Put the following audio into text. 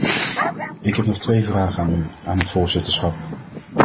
Ik heb nog twee vragen aan u, aan het voorzitterschap.